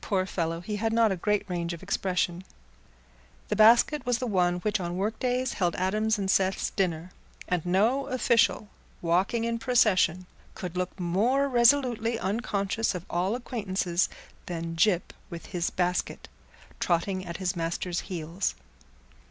Poor fellow, he had not a great range of expression. The basket was the one which on workdays held Adam's and Seth's dinner; and no official, walking in procession, could look more resolutely unconscious of all acquaintances than Gyp with his basket, trotting at his master's heels.